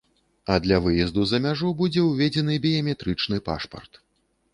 А для выезду за мяжу будзе ўведзены біяметрычны пашпарт.